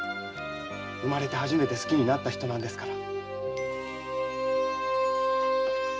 生まれて初めて好きになった人なんですから。